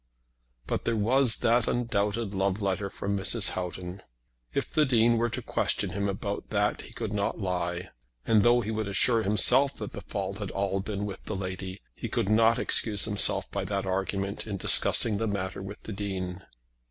But there was that undoubted love letter from Mrs. Houghton. If the Dean were to question him about that he could not lie. And though he would assure himself that the fault had all been with the lady, he could not excuse himself by that argument in discussing the matter with the Dean.